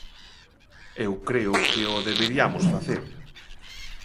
Eu creo que o deberiamos facer.